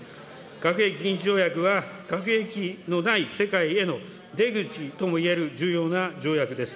核兵器禁止条約は核兵器のない世界への出口ともいえる重要な条約です。